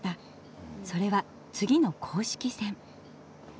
それは次の公式戦。